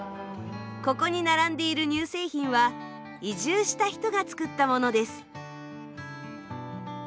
ここに並んでいる乳製品は移住した人が作ったものです。